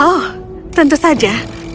oh tentu saja